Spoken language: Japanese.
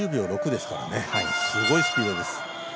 すごいスピードです。